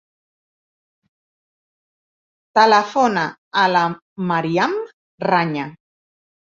Telefona a la Maryam Raña.